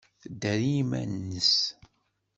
Tedder i yiman-nnes.